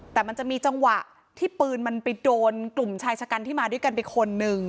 แต่มันจะมีจังหวะที่ปืนมันไปโดนกลุ่มชายชะกันที่มาด้วยกันไปคนนึง